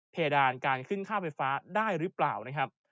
เพดานการขึ้นค่าไฟฟ้าได้หรือเปล่านะครับ